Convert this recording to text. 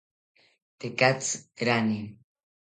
Tekatzi rane